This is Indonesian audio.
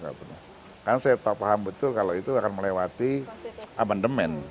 karena saya tak paham betul kalau itu akan melewati amendement